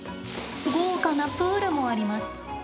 豪華なプールもあります。